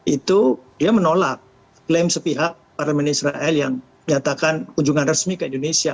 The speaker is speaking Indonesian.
itu dia menolak klaim sepihak parlemen israel yang menyatakan kunjungan resmi ke indonesia